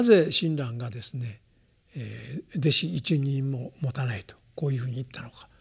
「弟子一人ももたない」とこういうふうに言ったのか。